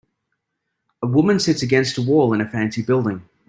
A woman sits against a wall in a fancy building.